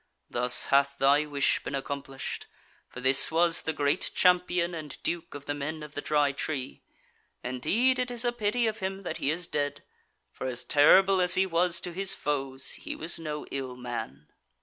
Thus hath thy wish been accomplished; for this was the great champion and duke of the men of the Dry Tree. Indeed it is a pity of him that he is dead, for as terrible as he was to his foes, he was no ill man."